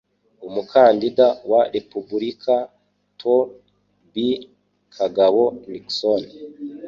Umukandida wa republika - to - be, Kagabo Nixon